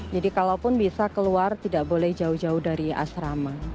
jadi kalaupun bisa keluar tidak boleh jauh jauh dari asrama